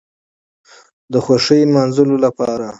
د خوښۍ نماځلو لپاره